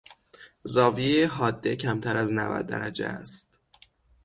زاویهی حاده کمتر از نود درجه است.